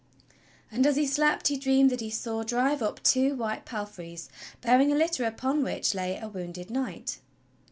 And as he slept he dreamed that he saw drive up two white palfreys bearing a litter upon which lay a wounded knight.